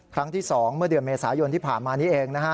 ครั้งที่๒เมื่อเดือนเมษายนที่ผ่านมานี้เองนะฮะ